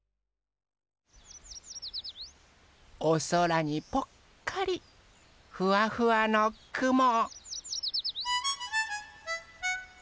おそらにぽっかりふわふわのくも。